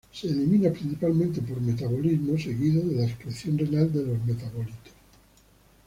Se elimina principalmente por metabolismo, seguido de la excreción renal de los metabolitos.